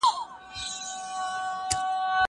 که وخت وي، سپينکۍ پرېولم!؟